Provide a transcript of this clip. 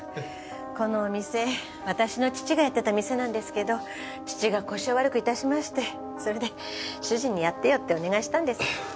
このお店私の父がやってた店なんですけど父が腰を悪く致しましてそれで主人にやってよってお願いしたんです。